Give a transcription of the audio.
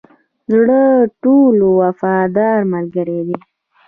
زړه ټولو وفادار ملګری دی.